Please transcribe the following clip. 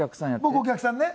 僕お客さんね。